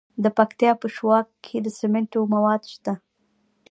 د پکتیا په شواک کې د سمنټو مواد شته.